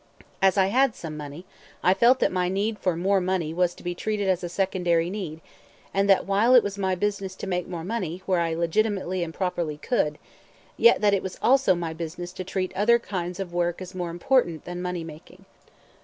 As I had some money I felt that my need for more money was to be treated as a secondary need, and that while it was my business to make more money where I legitimately and properly could, yet that it was also my business to treat other kinds of work as more important than money making.